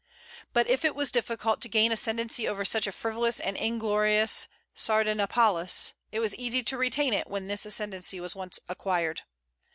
But if it was difficult to gain ascendency over such a frivolous and inglorious Sardanapalus, it was easy to retain it when this ascendency was once acquired.